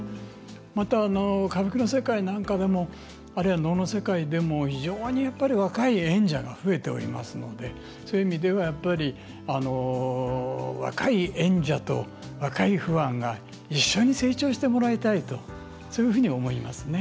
また、歌舞伎の世界なんかでもあるいは能の世界でも非常にやっぱり若い演者が増えておりますのでそういう意味では、やっぱり若い演者と若いファンが一緒に成長してもらいたいとそういうふうに思いますね。